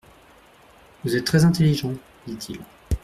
Vous êtes très intelligent, dit-il.